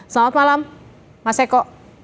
selamat malam mas eko